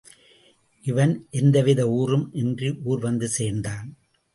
இவன் எந்தவித ஊறும் இன்றி ஊர் வந்து சேர்ந்தான்.